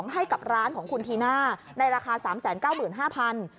ให้กับร้านของคุณธีน่าในราคา๓๙๕๐๐บาท